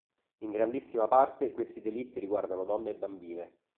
In grandissima parte, questi delitti riguardano donne e bambine.